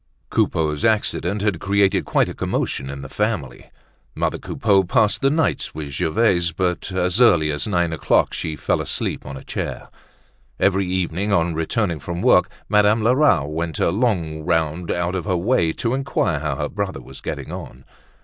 Coupeau's accident had created quite a commotion in the family. Mother Coupeau passed the nights with Gervaise; but as early as nine o'clock she fell asleep on a chair. Every evening, on returning from work, Madame Lerat went a long round out of her way to inquire how her brother was getting on.